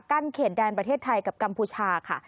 เขตแดนประเทศไทยกับกัมพูชาค่ะ